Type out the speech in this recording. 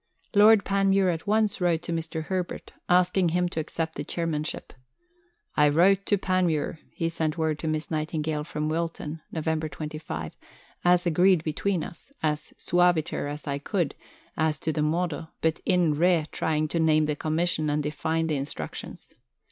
Lord Panmure at once wrote to Mr. Herbert, asking him to accept the Chairmanship: "I wrote to Panmure," he sent word to Miss Nightingale from Wilton (Nov. 25), "as agreed between us, as suaviter as I could as to the modo, but in re trying to name the Commission and define the Instructions.